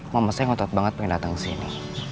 mama saya ngotot banget pengen datang kesini